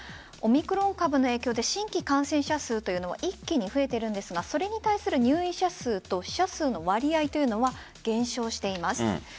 オミクロン株の影響で新規感染者数は一気に増えているんですがそれに対する入院者数と死者数の割合は減少しています。